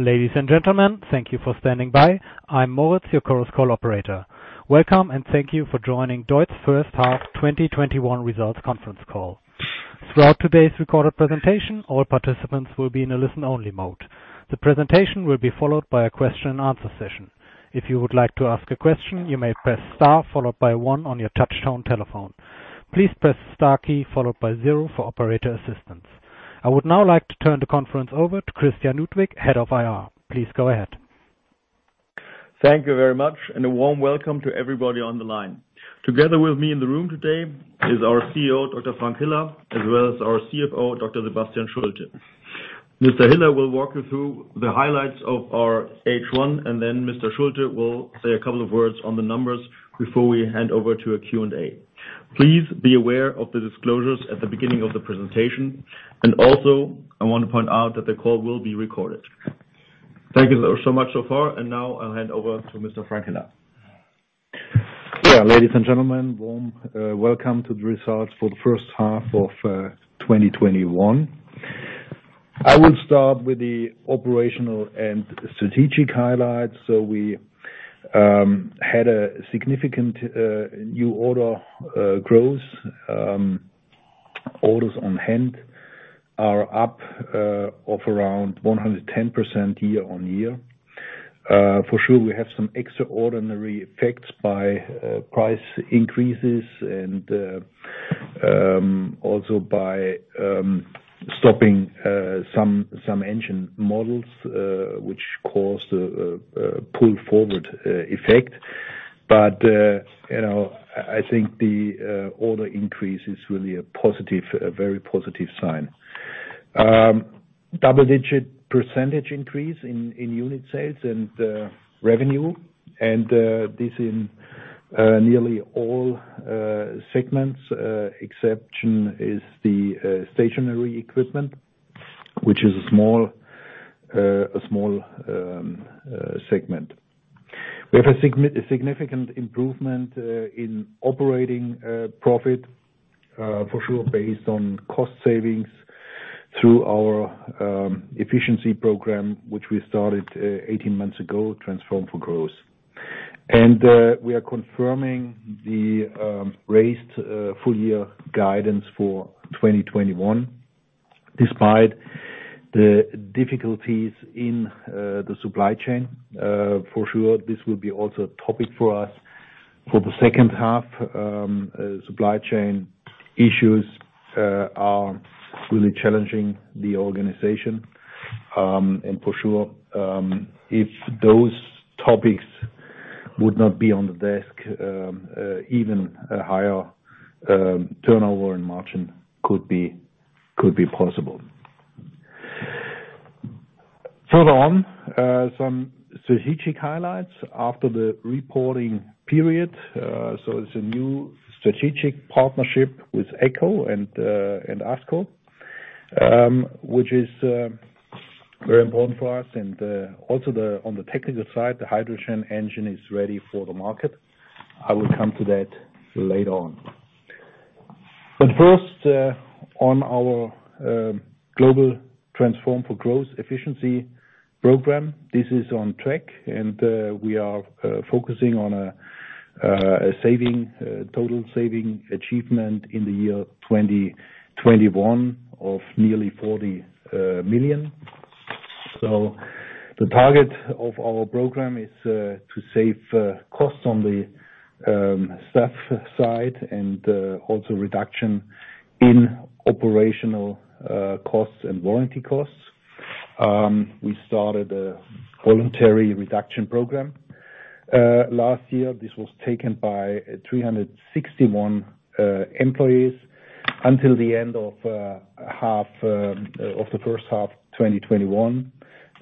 Ladies and gentlemen, thank you for standing by. I'm Moritz, your CorusCall operator. Welcome, and thank you for joining DEUTZ first half 2021 results conference call. Throughout today's recorded presentation, all participants will be in a listen-only mode. The presentation will be followed by a question-and-answer session. If you would like to ask a question, you may press star followed by one on your touch-tone telephone. Please press star key followed by zero for operator assistance. I would now like to turn the conference over to Christian Ludwig, Head of Investor Relations. Please go ahead. Thank you very much, and a warm welcome to everybody on the line. Together with me in the room today is our CEO, Dr. Frank Hiller, as well as our CFO, Dr. Sebastian Schulte. Mr. Hiller will walk you through the highlights of our H1, and then Mr. Schulte will say a couple of words on the numbers before we hand over to a Q&A. Please be aware of the disclosures at the beginning of the presentation, and also, I want to point out that the call will be recorded. Thank you so much so far, and now I'll hand over to Mr. Frank Hiller. Yeah, ladies and gentlemen, warm welcome to the results for the first half of 2021. I will start with the operational and strategic highlights. We had a significant new order growth. Orders on hand are up of around 110% year on year. For sure, we have some extraordinary effects by price increases and also by stopping some engine models, which caused a pull-forward effect. I think the order increase is really a positive, a very positive sign. Double-digit percentage increase in unit sales and revenue, and this in nearly all segments. Exception is the stationary equipment, which is a small segment. We have a significant improvement in operating profit, for sure, based on cost savings through our efficiency program, which we started 18 months ago, Transform for Growth. We are confirming the raised full-year guidance for 2021, despite the difficulties in the supply chain. For sure, this will be also a topic for us for the second half. Supply chain issues are really challenging the organization, and for sure, if those topics would not be on the desk, even a higher turnover and margin could be possible. Further on, some strategic highlights after the reporting period. It is a new strategic partnership with AGCO and ASKO, which is very important for us. Also on the technical side, the hydrogen engine is ready for the market. I will come to that later on. First, on our global Transform for Growth efficiency program, this is on track, and we are focusing on a total saving achievement in the year 2021 of nearly 40 million. The target of our program is to save costs on the staff side and also reduction in operational costs and warranty costs. We started a voluntary reduction program last year. This was taken by 361 employees. Until the end of the first half of 2021,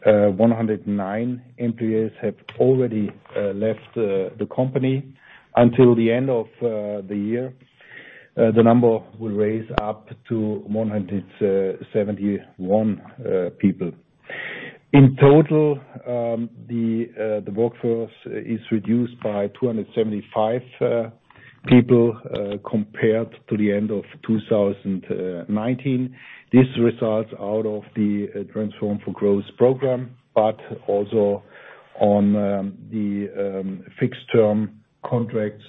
109 employees have already left the company. Until the end of the year, the number will raise up to 171 people. In total, the workforce is reduced by 275 people compared to the end of 2019. This results out of the Transform for Growth program, but also on the fixed-term contracts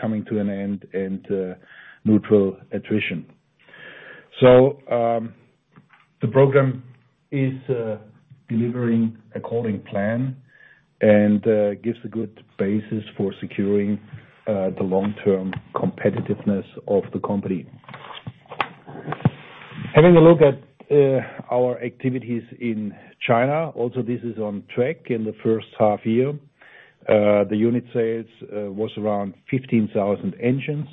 coming to an end and neutral attrition. The program is delivering according to plan and gives a good basis for securing the long-term competitiveness of the company. Having a look at our activities in China, also this is on track in the first half year. The unit sales was around 15,000 engines,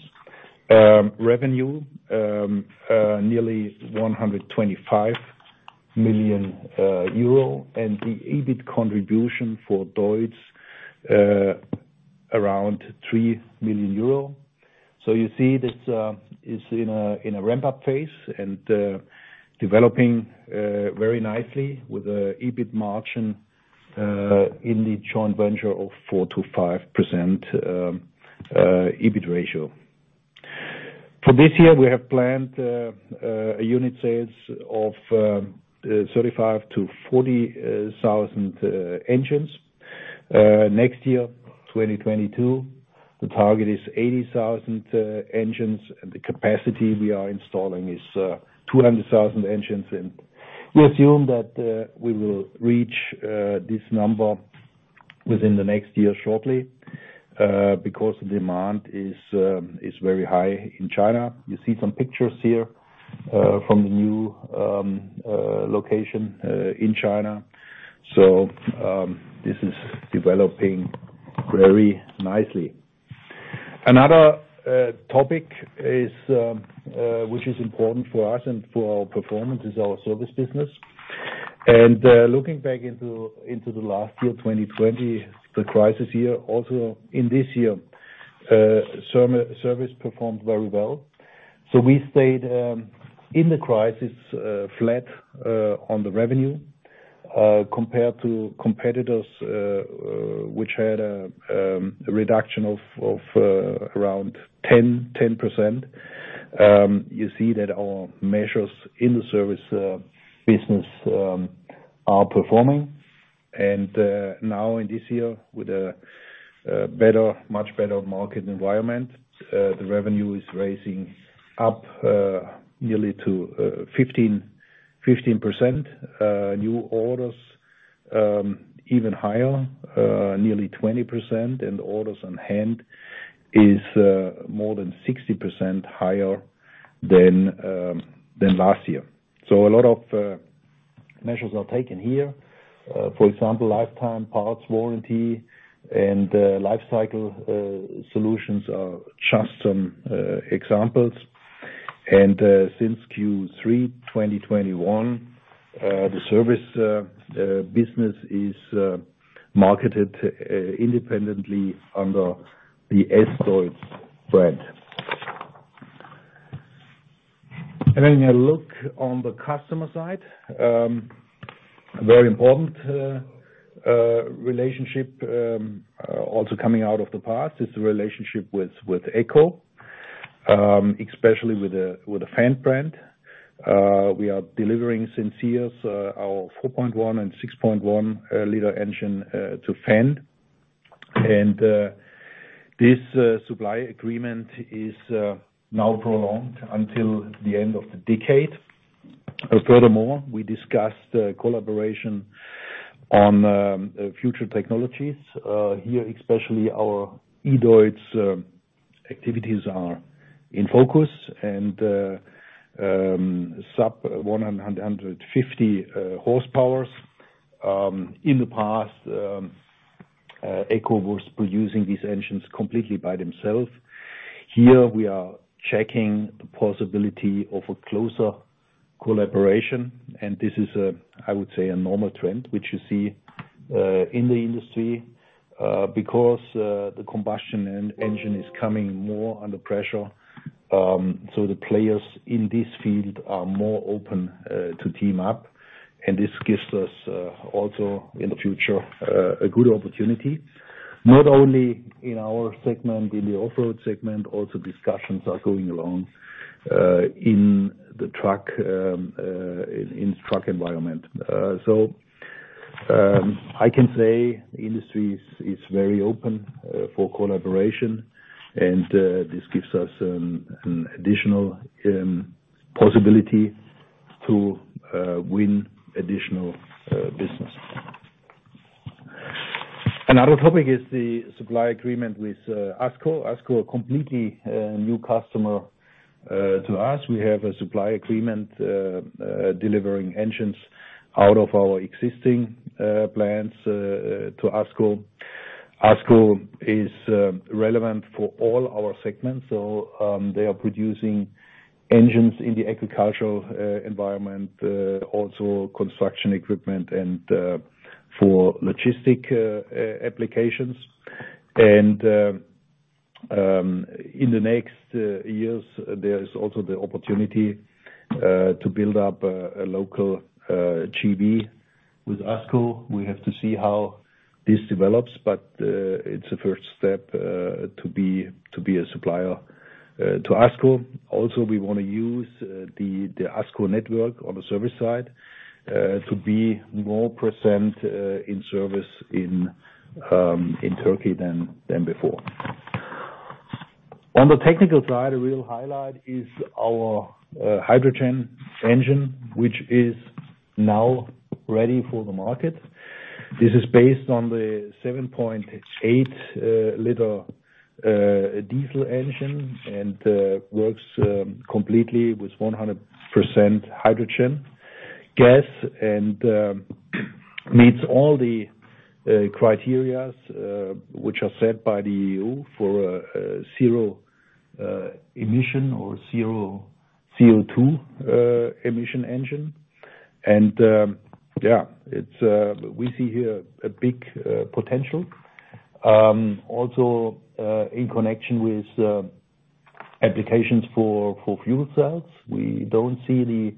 revenue nearly 125 million euro, and the EBIT contribution for DEUTZ around 3 million euro. You see this is in a ramp-up phase and developing very nicely with an EBIT margin in the joint venture of 4%-5% EBIT ratio. For this year, we have planned a unit sales of 35,000-40,000 engines. Next year, 2022, the target is 80,000 engines, and the capacity we are installing is 200,000 engines. We assume that we will reach this number within the next year shortly because the demand is very high in China. You see some pictures here from the new location in China. This is developing very nicely. Another topic which is important for us and for our performance is our service business. Looking back into the last year, 2020, the crisis year, also in this year, service performed very well. We stayed in the crisis flat on the revenue compared to competitors which had a reduction of around 10%. You see that our measures in the service business are performing. Now in this year, with a much better market environment, the revenue is racing up nearly to 15%. New orders even higher, nearly 20%, and orders on hand is more than 60% higher than last year. A lot of measures are taken here. For example, lifetime parts warranty and lifecycle solutions are just some examples. Since Q3 2021, the service business is marketed independently under the S-DEUTZ brand. Having a look on the customer side, a very important relationship also coming out of the past is the relationship with AGCO, especially with the Fendt brand. We are delivering since years our 4.1 L and 6.1 L engine to Fendt. This supply agreement is now prolonged until the end of the decade. Furthermore, we discussed collaboration on future technologies. Here, especially our E-DEUTZ activities are in focus and sub 150 horsepowers. In the past, AGCO was producing these engines completely by themselves. Here, we are checking the possibility of a closer collaboration, and this is, I would say, a normal trend which you see in the industry because the combustion engine is coming more under pressure. The players in this field are more open to team up, and this gives us also in the future a good opportunity. Not only in our segment, in the off-road segment, also discussions are going along in the truck environment. I can say the industry is very open for collaboration, and this gives us an additional possibility to win additional business. Another topic is the supply agreement with ASKO. ASKO is a completely new customer to us. We have a supply agreement delivering engines out of our existing plants to ASKO. ASKO is relevant for all our segments. They are producing engines in the agricultural environment, also construction equipment, and for logistic applications. In the next years, there is also the opportunity to build up a local JV with ASKO. We have to see how this develops, but it is a first step to be a supplier to ASKO. Also, we want to use the ASKO network on the service side to be more present in service in Turkey than before. On the technical side, a real highlight is our hydrogen engine, which is now ready for the market. This is based on the 7.8 L diesel engine and works completely with 100% hydrogen gas and meets all the criteria which are set by the EU for zero emission or zero CO2 emission engine. Yeah, we see here a big potential. Also, in connection with applications for fuel cells, we do not see the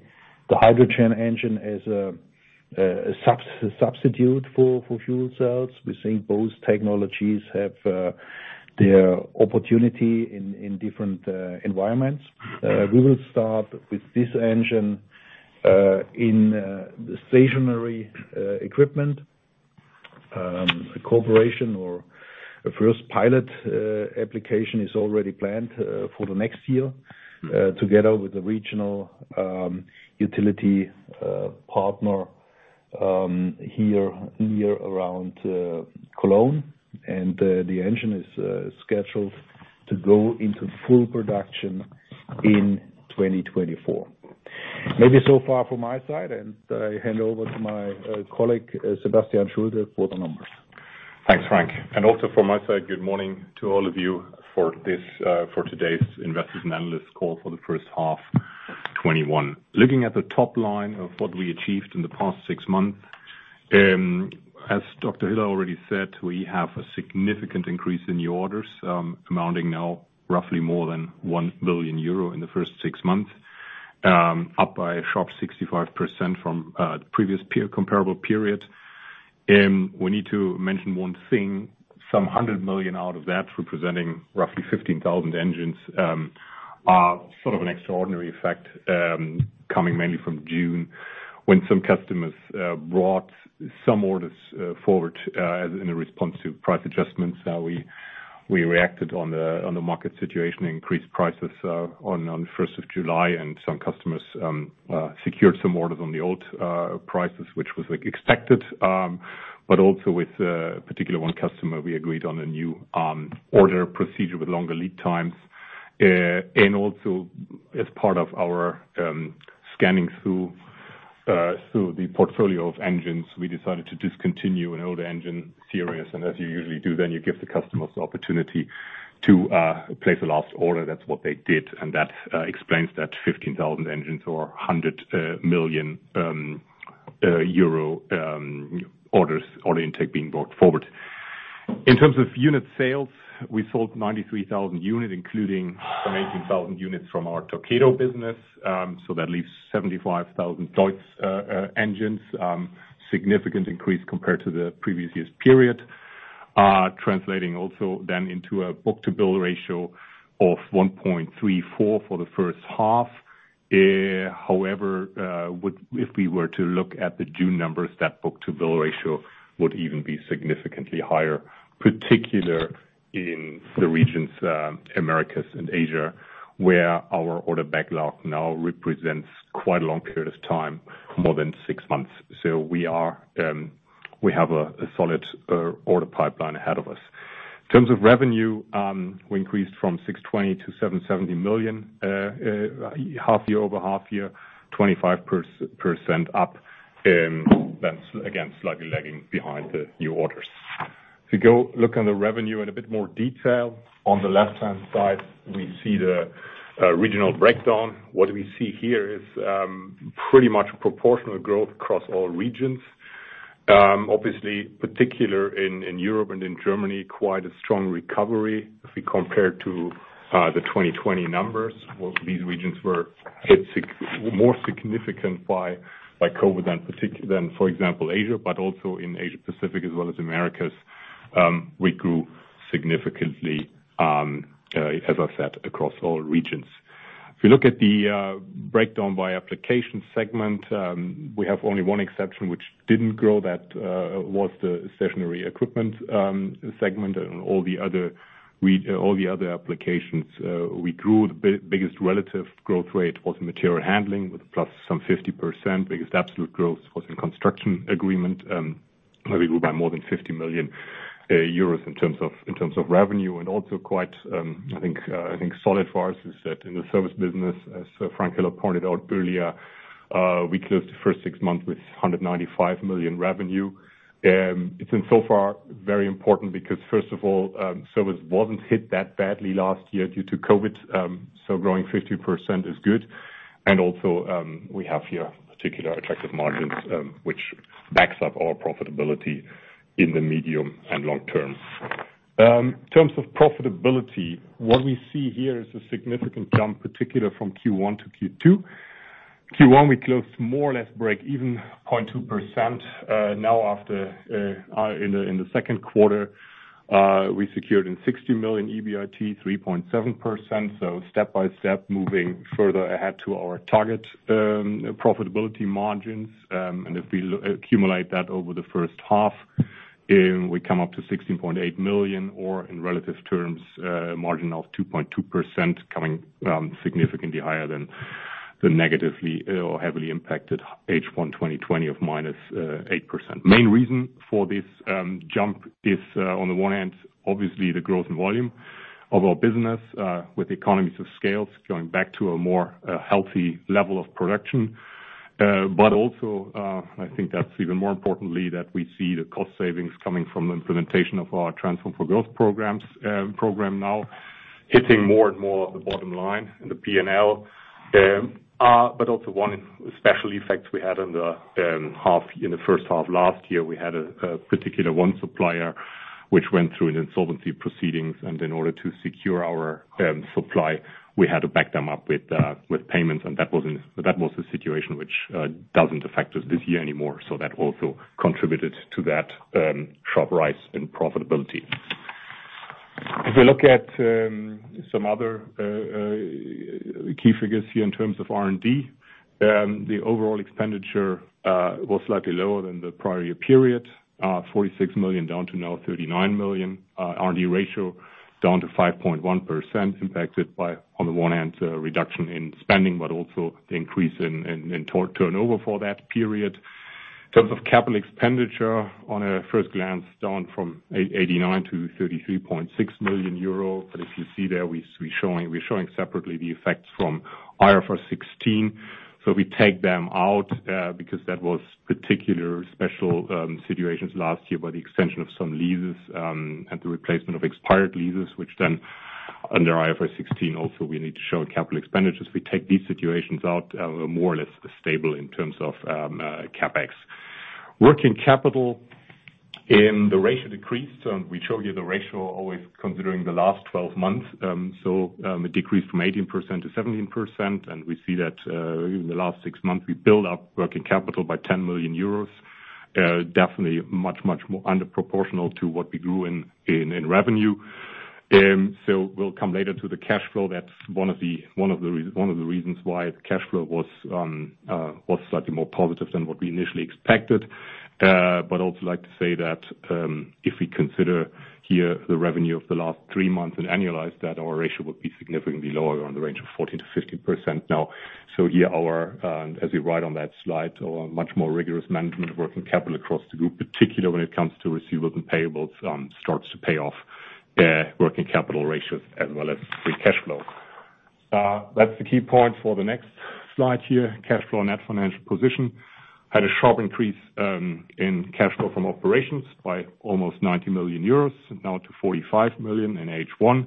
hydrogen engine as a substitute for fuel cells. We think both technologies have their opportunity in different environments. We will start with this engine in stationary equipment. A corporation or a first pilot application is already planned for the next year together with the regional utility partner here near around Cologne. The engine is scheduled to go into full production in 2024. Maybe so far from my side, and I hand over to my colleague, Sebastian Schulte, for the numbers. Thanks, Frank. Also from my side, good morning to all of you for today's investors and analysts call for the first half of 2021. Looking at the top line of what we achieved in the past six months, as Dr. Hiller already said, we have a significant increase in new orders amounting now to roughly more than 1 billion euro in the first six months, up by a sharp 65% from the previous comparable period. We need to mention one thing: some 100 million out of that, representing roughly 15,000 engines, are sort of an extraordinary effect coming mainly from June when some customers brought some orders forward in response to price adjustments. We reacted on the market situation, increased prices on the 1st of July, and some customers secured some orders on the old prices, which was expected. Also, with a particular one customer, we agreed on a new order procedure with longer lead times. As part of our scanning through the portfolio of engines, we decided to discontinue an old engine series. As you usually do, you give the customers the opportunity to place a last order. That is what they did, and that explains that 15,000 engines or 100 million euro orders intake being brought forward. In terms of unit sales, we sold 93,000 units, including 19,000 units from our Torqeedo business. That leaves 75,000 DEUTZ engines, a significant increase compared to the previous year's period, translating also then into a book-to-bill ratio of 1.34 for the first half. However, if we were to look at the June numbers, that book-to-bill ratio would even be significantly higher, particularly in the regions of the Americas and Asia where our order backlog now represents quite a long period of time, more than six months. We have a solid order pipeline ahead of us. In terms of revenue, we increased from 620 million to 770 million half year over half year, 25% up. That's again slightly lagging behind the new orders. If you go look on the revenue in a bit more detail, on the left-hand side, we see the regional breakdown. What we see here is pretty much proportional growth across all regions. Obviously, particularly in Europe and in Germany, quite a strong recovery if we compare to the 2020 numbers. These regions were hit more significantly by COVID than, for example, Asia, but also in Asia-Pacific as well as Americas. We grew significantly, as I said, across all regions. If you look at the breakdown by application segment, we have only one exception which did not grow; that was the stationary equipment segment. All the other applications, we grew. The biggest relative growth rate was in material handling with plus some 50%. The biggest absolute growth was in construction equipment. We grew by more than 50 million euros in terms of revenue. Also quite, I think, solid for us is that in the service business, as Frank Hiller pointed out earlier, we closed the first six months with 195 million revenue. It is in so far very important because, first of all, service was not hit that badly last year due to COVID. Growing 50% is good. Also, we have here particularly attractive margins which back up our profitability in the medium and long term. In terms of profitability, what we see here is a significant jump, particularly from Q1 to Q2. Q1, we closed more or less break even, 0.2%. Now, in the second quarter, we secured 16 million EBIT, 3.7%. Step by step, moving further ahead to our target profitability margins. If we accumulate that over the first half, we come up to 16.8 million or, in relative terms, a margin of 2.2%, coming significantly higher than the negatively or heavily impacted H1 2020 of -8%. The main reason for this jump is, on the one hand, obviously the growth and volume of our business with economies of scale going back to a more healthy level of production. Also, I think that's even more importantly that we see the cost savings coming from the implementation of our Transform for Growth program now, hitting more and more of the bottom line and the P&L. Also, one special effect we had in the first half last year, we had a particular one supplier which went through an insolvency proceedings. In order to secure our supply, we had to back them up with payments. That was a situation which does not affect us this year anymore. That also contributed to that sharp rise in profitability. If we look at some other key figures here in terms of R&D, the overall expenditure was slightly lower than the prior year period, 46 million down to now 39 million. R&D ratio down to 5.1%, impacted by, on the one hand, the reduction in spending, but also the increase in turnover for that period. In terms of capital expenditure, on a first glance, down from 89 million to 33.6 million euro. If you see there, we're showing separately the effects from IFRS 16. We take them out because that was a particular special situation last year by the extension of some leases and the replacement of expired leases, which then under IFRS 16, also we need to show in capital expenditures. We take these situations out. We're more or less stable in terms of CapEx. Working capital, the ratio decreased. We showed you the ratio always considering the last 12 months. It decreased from 18% to 17%. We see that in the last six months, we built up working capital by 10 million euros, definitely much, much more underproportional to what we grew in revenue. We will come later to the cash flow. That is one of the reasons why the cash flow was slightly more positive than what we initially expected. I would also like to say that if we consider here the revenue of the last three months and annualize that, our ratio would be significantly lower on the range of 14%-15% now. Here, as you write on that slide, our much more rigorous management of working capital across the group, particularly when it comes to receivables and payables, starts to pay off working capital ratios as well as free cash flow. That is the key point for the next slide here, cash flow and net financial position. Had a sharp increase in cash flow from operations by almost 90 million euros, now to 45 million in H1.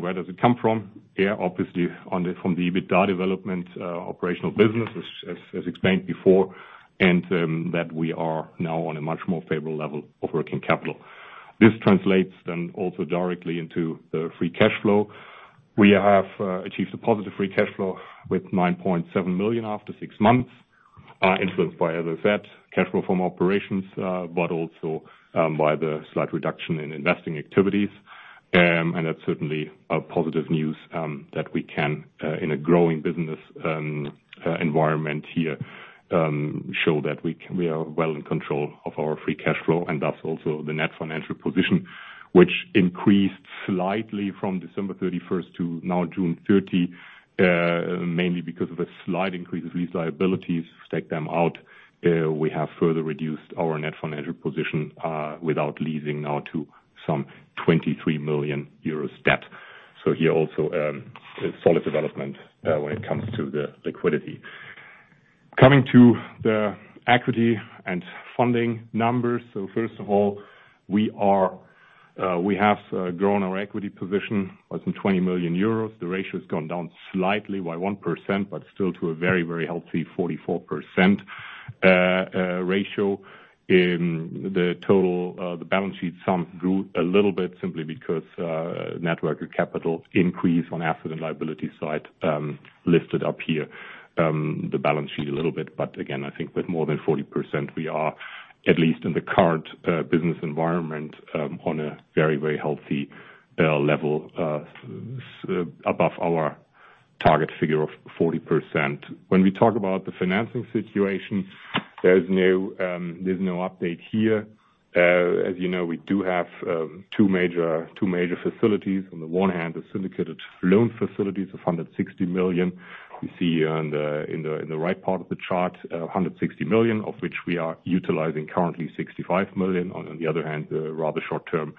Where does it come from? Obviously, from the EBITDA development operational business, as explained before, and that we are now on a much more favorable level of working capital. This translates then also directly into the free cash flow. We have achieved a positive free cash flow with 9.7 million after six months, influenced by, as I said, cash flow from operations, but also by the slight reduction in investing activities. That is certainly positive news that we can, in a growing business environment here, show that we are well in control of our free cash flow and thus also the net financial position, which increased slightly from December 31 to now June 30, mainly because of a slight increase of lease liabilities. Take them out. We have further reduced our net financial position without leasing now to some 23 million euros debt. Here also, solid development when it comes to the liquidity. Coming to the equity and funding numbers. First of all, we have grown our equity position by some 20 million euros. The ratio has gone down slightly by 1%, but still to a very, very healthy 44% ratio. The balance sheet sum grew a little bit simply because net working capital increase on asset and liability side lifted up here. The balance sheet a little bit, but again, I think with more than 40%, we are at least in the current business environment on a very, very healthy level above our target figure of 40%. When we talk about the financing situation, there is no update here. As you know, we do have two major facilities. On the one hand, the syndicated loan facilities of 160 million. You see here in the right part of the chart, 160 million, of which we are utilizing currently 65 million. On the other hand, the rather short-term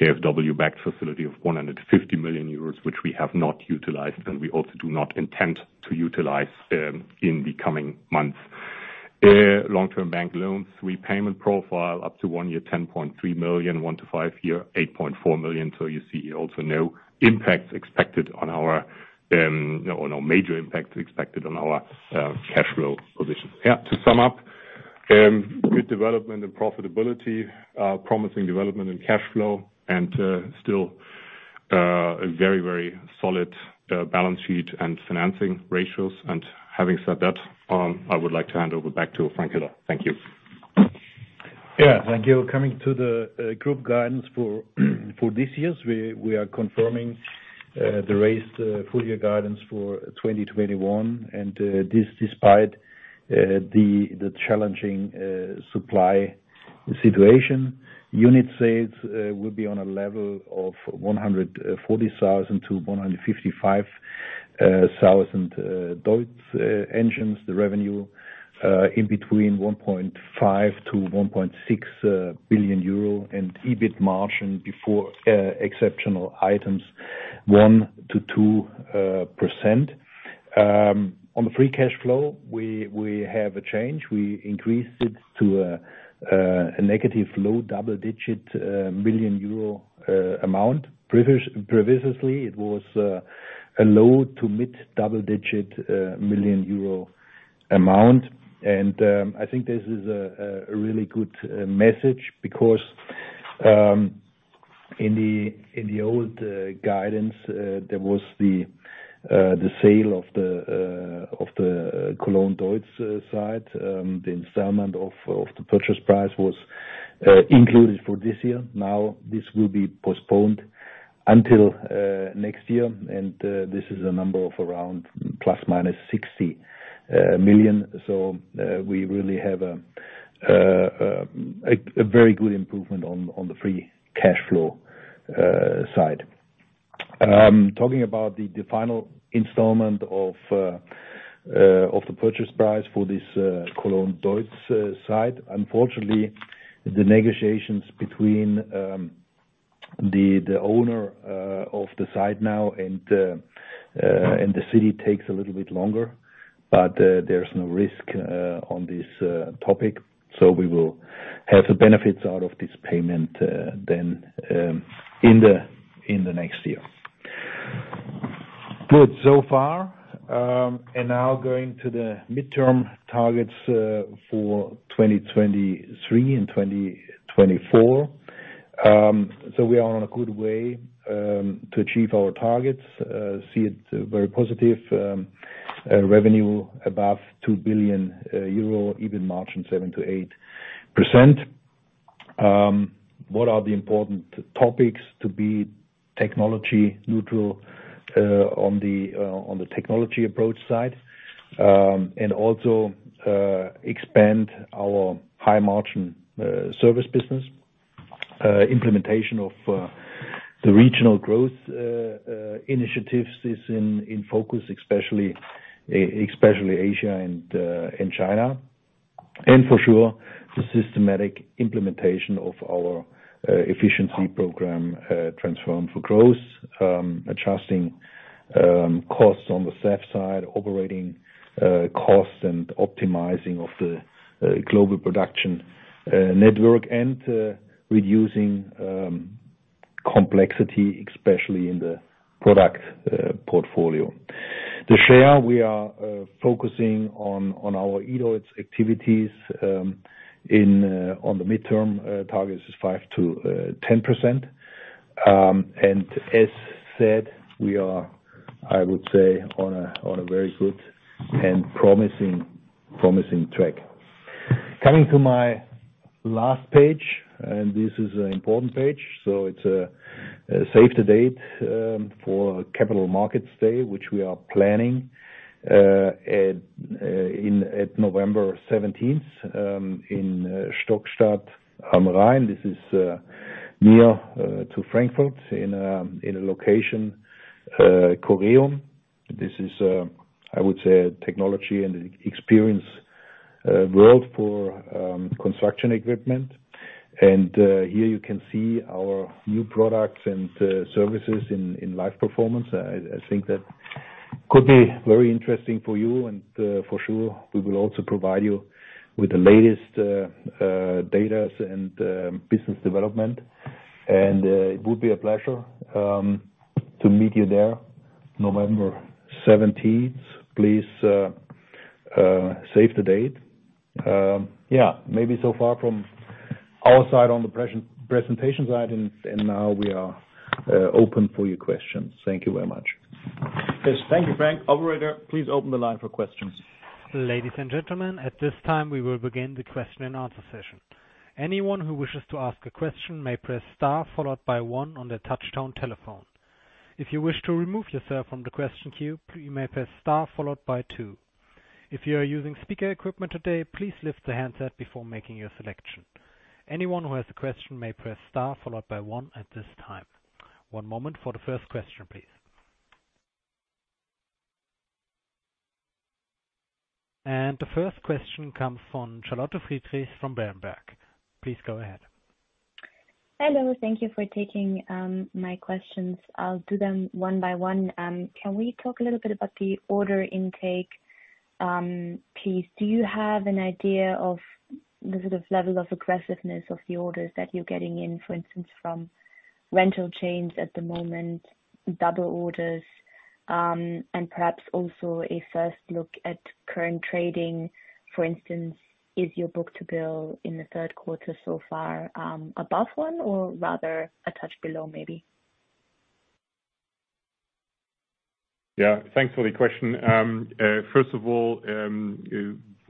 KfW-backed facility of 150 million euros, which we have not utilized and we also do not intend to utilize in the coming months. Long-term bank loans, repayment profile up to one year, 10.3 million. One to five year, 8.4 million. You see here also no impacts expected on our or no major impacts expected on our cash flow position. Yeah, to sum up, good development and profitability, promising development and cash flow, and still a very, very solid balance sheet and financing ratios. Having said that, I would like to hand over back to Frank Hiller. Thank you. Yeah, thank you. Coming to the group guidance for this year, we are confirming the raised full-year guidance for 2021. This, despite the challenging supply situation, unit sales will be on a level of 140,000-155,000 DEUTZ engines. The revenue in between 1.5 billion-1.6 billion euro and EBIT margin before exceptional items, 1%-2%. On the free cash flow, we have a change. We increased it to a negative low double-digit million euro amount. Previously, it was a low to mid double-digit million euro amount. I think this is a really good message because in the old guidance, there was the sale of the Cologne DEUTZ site. The installment of the purchase price was included for this year. Now, this will be postponed until next year. This is a number of around plus minus 60 million. We really have a very good improvement on the free cash flow side. Talking about the final installment of the purchase price for this Cologne DEUTZ site, unfortunately, the negotiations between the owner of the site now and the city take a little bit longer, but there is no risk on this topic. We will have the benefits out of this payment then in the next year. Good so far. Now going to the midterm targets for 2023 and 2024. We are on a good way to achieve our targets. See it very positive. Revenue above EUR 2 billion, EBIT margin 7%-8%. What are the important topics to be technology neutral on the technology approach side and also expand our high-margin service business? Implementation of the regional growth initiatives is in focus, especially Asia and China. For sure, the systematic implementation of our efficiency program, Transform for Growth, adjusting costs on the SEF side, operating costs and optimizing of the global production network, and reducing complexity, especially in the product portfolio. The share we are focusing on our EDEUTZ activities on the midterm target is 5%-10%. As said, I would say, we are on a very good and promising track. Coming to my last page, and this is an important page. It is a save the date for Capital Markets Day, which we are planning at November 17, 2021 in Stockstadt am Rhein. This is near to Frankfurt in a location, Köln. This is, I would say, a technology and experience world for construction equipment. Here you can see our new products and services in live performance. I think that could be very interesting for you. For sure, we will also provide you with the latest data and business development. It would be a pleasure to meet you there November 17th. Please save the date. Maybe so far from our side on the presentation side. Now we are open for your questions. Thank you very much. Yes, thank you, Frank. Operator, please open the line for questions. Ladies and gentlemen, at this time, we will begin the question and answer session. Anyone who wishes to ask a question may press star followed by one on the touch-tone telephone. If you wish to remove yourself from the question queue, you may press star followed by two. If you are using speaker equipment today, please lift the handset before making your selection. Anyone who has a question may press star followed by one at this time. One moment for the first question, please. The first question comes from Charlotte Friedrich from Berenberg. Please go ahead. Hello. Thank you for taking my questions. I'll do them one by one. Can we talk a little bit about the order intake, please? Do you have an idea of the sort of level of aggressiveness of the orders that you're getting in, for instance, from rental chains at the moment, double orders, and perhaps also a first look at current trading? For instance, is your book-to-bill in the third quarter so far above one or rather a touch below, maybe? Yeah, thanks for the question. First of all,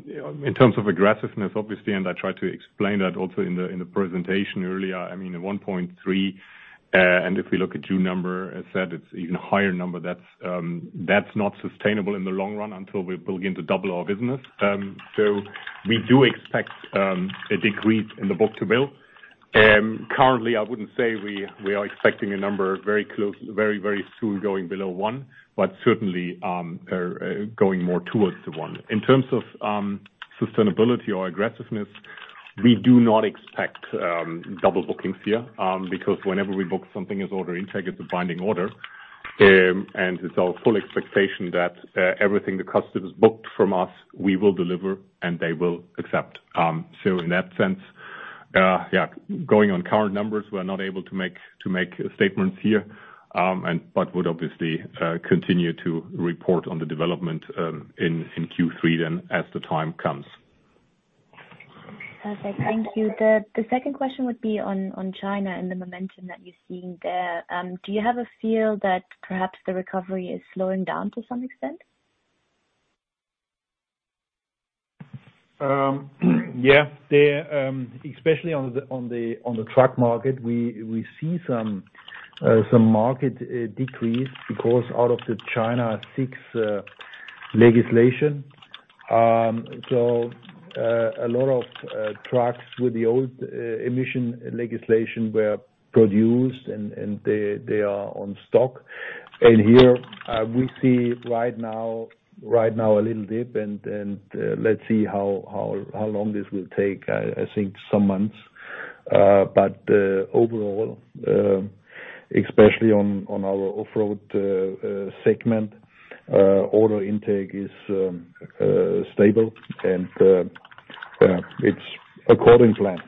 in terms of aggressiveness, obviously, and I tried to explain that also in the presentation earlier, I mean, 1.3. If we look at June number, as said, it is an even higher number. That is not sustainable in the long run until we begin to double our business. We do expect a decrease in the book-to-bill. Currently, I would not say we are expecting a number very soon going below one, but certainly going more towards the one. In terms of sustainability or aggressiveness, we do not expect double bookings here because whenever we book something, it is order intake, it is a binding order. It is our full expectation that everything the customer has booked from us, we will deliver and they will accept. In that sense, yeah, going on current numbers, we're not able to make statements here, but would obviously continue to report on the development in Q3 then as the time comes. Perfect. Thank you. The second question would be on China and the momentum that you're seeing there. Do you have a feel that perhaps the recovery is slowing down to some extent? Yeah, especially on the truck market, we see some market decrease because out of the China VI legislation. A lot of trucks with the old emission legislation were produced and they are on stock. Here we see right now a little dip, and let's see how long this will take. I think some months. Overall, especially on our off-road segment, order intake is stable and it's according to plan.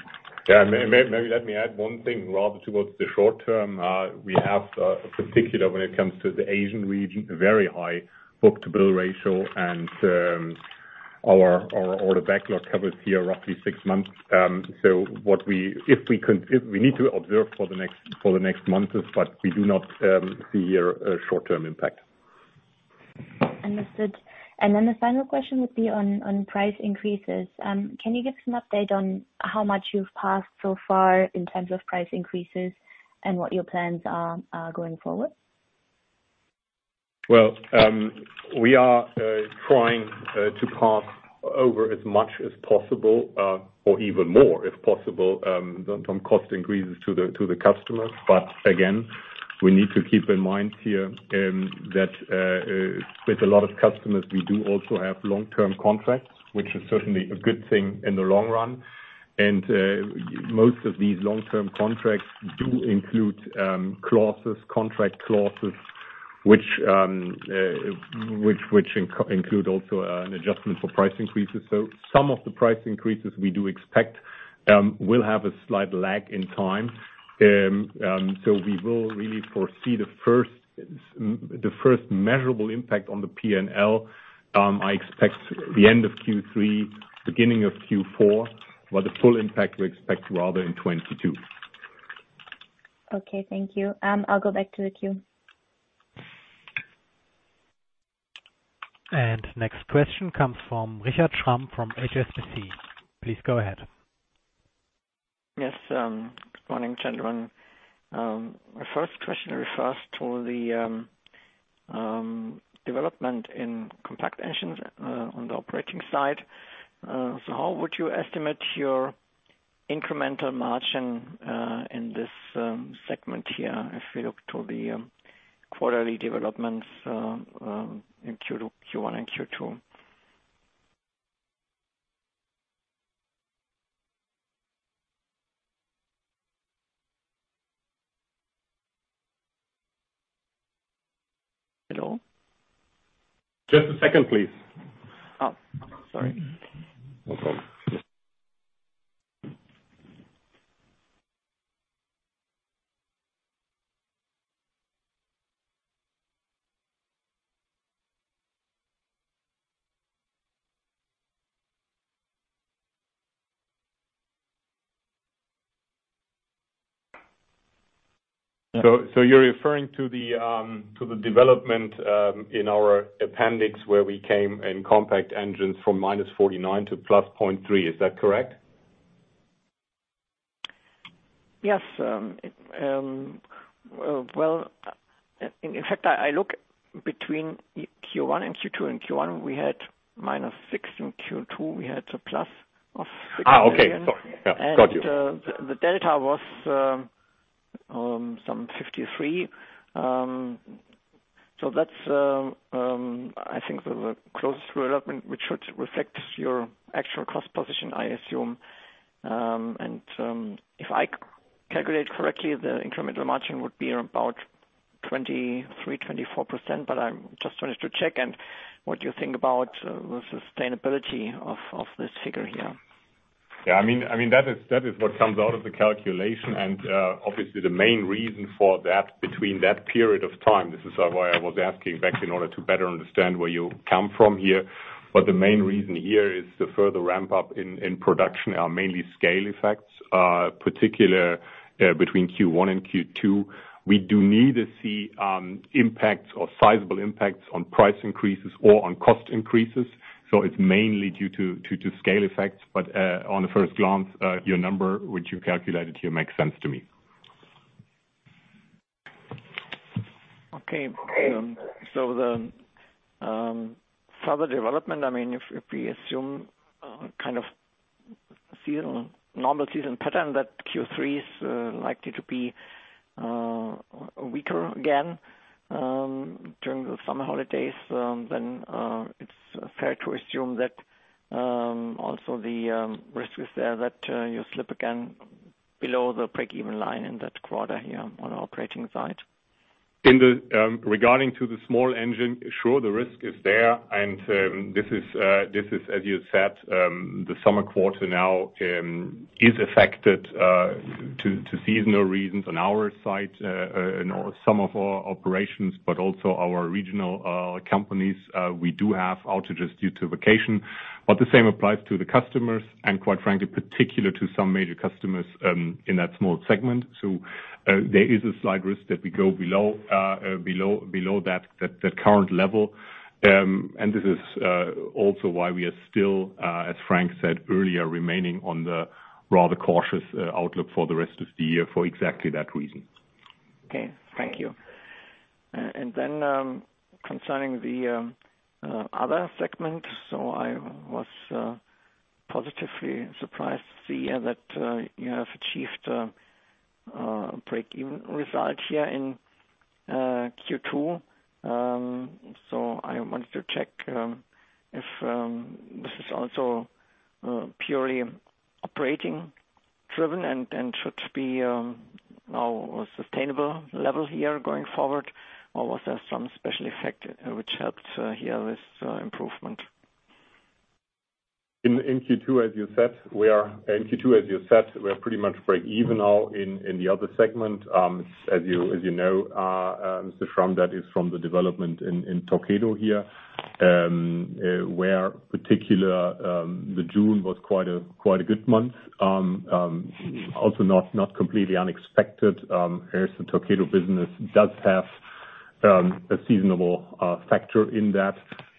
Yeah, maybe let me add one thing rather towards the short term. We have a particular, when it comes to the Asian region, very high book-to-bill ratio, and our order backlog covers here roughly six months. We need to observe for the next months, but we do not see here a short-term impact. Understood. The final question would be on price increases. Can you give us an update on how much you've passed so far in terms of price increases and what your plans are going forward? We are trying to pass over as much as possible or even more if possible on cost increases to the customers. Again, we need to keep in mind here that with a lot of customers, we do also have long-term contracts, which is certainly a good thing in the long run. Most of these long-term contracts do include clauses, contract clauses, which include also an adjustment for price increases. Some of the price increases we do expect will have a slight lag in time. We will really foresee the first measurable impact on the P&L. I expect the end of Q3, beginning of Q4, but the full impact we expect rather in 2022. Okay, thank you. I'll go back to the queue. Next question comes from Richard Schramm from HSBC. Please go ahead. Yes, good morning, gentlemen. My first question refers to the development in compact engines on the operating side. How would you estimate your incremental margin in this segment here if we look to the quarterly developments in Q1 and Q2? Hello? Just a second, please. Oh, sorry. No problem. You're referring to the development in our appendix where we came in compact engines from -49 to +0.3. Is that correct? Yes. In fact, I look between Q1 and Q2. In Q1, we had -6. In Q2, we had a plus of 6. Okay. Sorry. Yeah, got you. The delta was some 53. That is, I think, the closest development, which should reflect your actual cost position, I assume. If I calculate correctly, the incremental margin would be around 23-24%, but I just wanted to check. What do you think about the sustainability of this figure here? Yeah, I mean, that is what comes out of the calculation. Obviously, the main reason for that between that period of time, this is why I was asking back in order to better understand where you come from here. The main reason here is the further ramp-up in production, mainly scale effects, particularly between Q1 and Q2. We do need to see impacts or sizable impacts on price increases or on cost increases. It is mainly due to scale effects. On a first glance, your number, which you calculated here, makes sense to me. Okay. The further development, I mean, if we assume kind of normal season pattern that Q3 is likely to be weaker again during the summer holidays, then it's fair to assume that also the risk is there that you slip again below the break-even line in that quarter here on the operating side. Regarding the small engine, sure, the risk is there. This is, as you said, the summer quarter now is affected due to seasonal reasons on our side and some of our operations, but also our regional companies. We do have outages due to vacation. The same applies to the customers and, quite frankly, particularly to some major customers in that small segment. There is a slight risk that we go below that current level. This is also why we are still, as Frank said earlier, remaining on the rather cautious outlook for the rest of the year for exactly that reason. Thank you. Concerning the other segment, I was positively surprised to see that you have achieved a break-even result here in Q2. I wanted to check if this is also purely operating-driven and should be now a sustainable level here going forward, or was there some special effect which helped here with improvement? In Q2, as you said, we are in Q2, as you said, we're pretty much break-even now in the other segment. As you know, Mr. Schramm, that is from the development in Torqeedo here, where particularly the June was quite a good month. Also not completely unexpected, as the Torqeedo business does have a seasonable factor in that.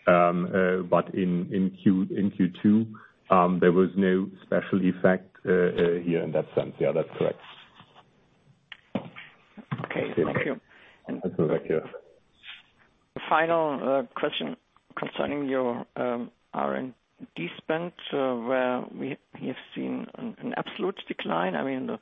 In Q2, there was no special effect here in that sense. Yeah, that's correct. Okay. Thank you. Thank you. Final question concerning your R&D spend, where we have seen an absolute decline. I mean, the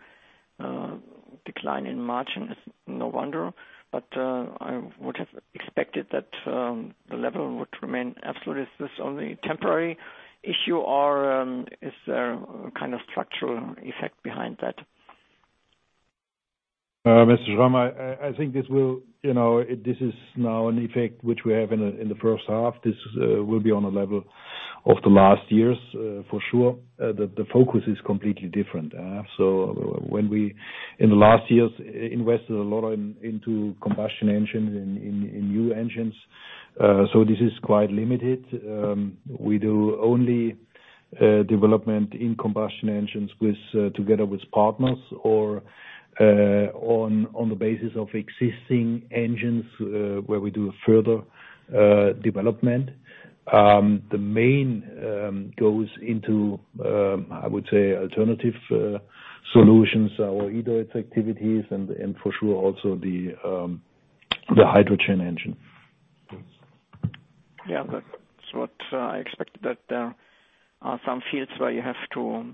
decline in margin is no wonder, but I would have expected that the level would remain absolute. Is this only a temporary issue, or is there a kind of structural effect behind that? Mr. Schramm, I think this is now an effect which we have in the first half. This will be on a level of the last years, for sure. The focus is completely different. When we, in the last years, invested a lot into combustion engines and new engines, this is quite limited. We do only development in combustion engines together with partners or on the basis of existing engines where we do further development. The main goes into, I would say, alternative solutions or either its activities and for sure also the hydrogen engine. Yeah, that's what I expected, that there are some fields where you have to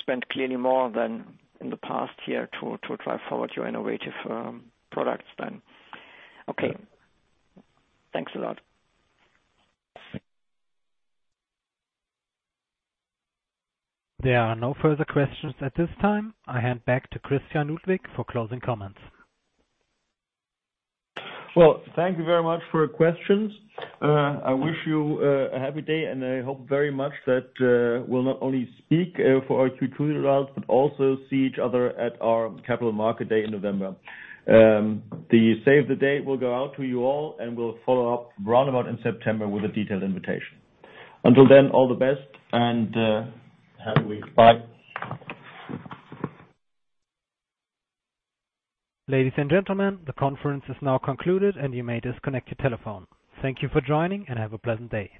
spend clearly more than in the past year to drive forward your innovative products then. Okay. Thanks a lot. There are no further questions at this time. I hand back to Christian Ludwig for closing comments. Thank you very much for your questions. I wish you a happy day, and I hope very much that we'll not only speak for our Q2 results, but also see each other at our Capital Market Day in November. The save the date will go out to you all, and we'll follow up round about in September with a detailed invitation. Until then, all the best and have a week. Bye. Ladies and gentlemen, the conference is now concluded, and you may disconnect your telephone. Thank you for joining, and have a pleasant day.